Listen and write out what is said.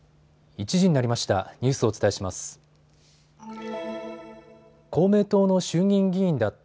１時になりました。